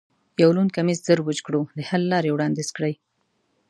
یو لوند کمیس زر وچ کړو، د حل لارې وړاندیز کړئ.